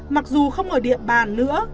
mặc dù không ở địa bàn nữa